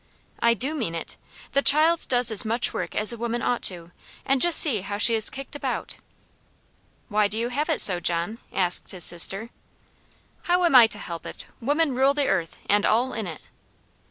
"I do mean it. The child does as much work as a woman ought to; and just see how she is kicked about!" "Why do you have it so, John?" asked his sister. "How am I to help it? Women rule the earth, and all in it."